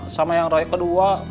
sama yang ngeroyok kedua